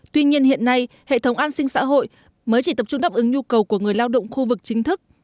tuy nhiên hiện nay hệ thống an sinh xã hội mới chỉ tập trung đáp ứng nhu cầu của người lao động khu vực chính thức